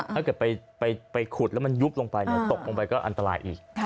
ถ้าเกิดไปขุดแล้วมันยุบลงไปตกลงไปก็อันตรายอีก